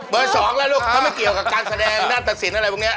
สองแล้วลูกเขาไม่เกี่ยวกับการแสดงหน้าตะสินอะไรพวกนี้